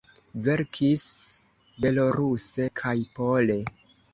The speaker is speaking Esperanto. Verkis beloruse kaj pole.